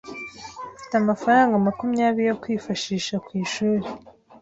Mfite amafaranga makumyabiri yo kwifashisha ku ishuri